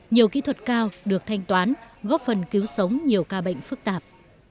nhiều kỹ thuật cao được thanh toán góp phần cứu sống nhiều ca bệnh phức tạp